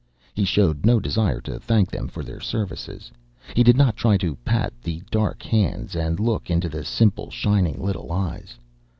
He showed no desire to thank them for their services; he did not try to pat the dark hands and look into the simple shining little eyes.